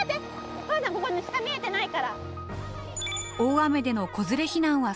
お母さんここ下見えてないから。